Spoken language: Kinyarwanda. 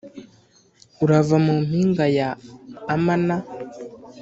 urava mu mpinga ya Amana,